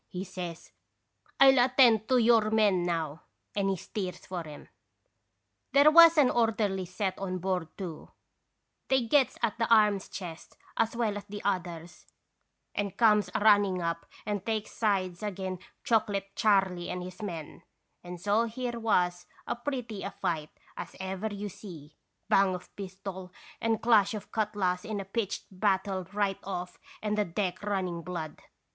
he says. "I '11 attend ioyour men now.' And he steers for 'em. "There was an orderly set on board, too; they gets at the arms chest, as well as the others, and comes a running up and takes sides agin Chocolate Charley and his men, and so here was as pretty a fight as ever you see, bang of pistol and clash of cutlass in a pitched battle right off and the deck running blood.